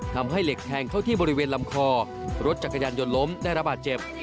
ทำให้เหล็กแทงเข้าที่บริเวณลำคอรถจักรยานยนต์ล้มได้ระบาดเจ็บ